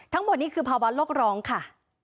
ทั้งหมดนี้คือภาวะโลกร้องค่ะ